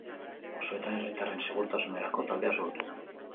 Auzoetan herritarren segurtasunerako taldea sortu.